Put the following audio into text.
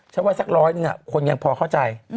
ฉันว่าสัก๑๐๐คนยังพอเข้าใจ